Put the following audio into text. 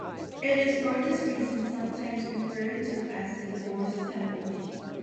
It is for this reason sometimes referred to as the "Divorce Temple".